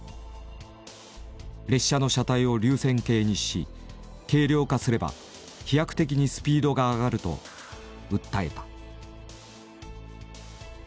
列車の車体を流線型にし軽量化すれば飛躍的にスピードが上がると訴えた。